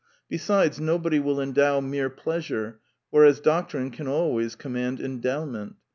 Besides, nobody will endow mere pleas ure, whereas doctrine can always command en dowment.